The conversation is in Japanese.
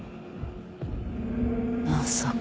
まさか。